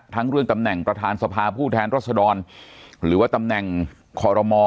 เรื่องตำแหน่งประธานสภาผู้แทนรัศดรหรือว่าตำแหน่งคอรมอ